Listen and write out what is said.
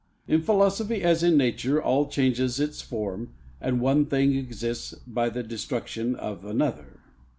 In philosophy, as in Nature, all changes its form, and one thing exists by the destruction of another.